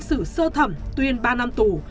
sử sơ thẩm tuyên ba năm tù